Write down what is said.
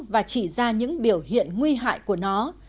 và chỉ ra những biểu hiện nguy hại của nó